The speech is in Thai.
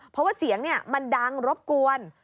เพราะว่าเสียงมันดังรบกวน